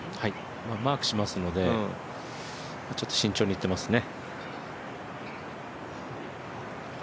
マークしますのでちょっと慎重にいってますね。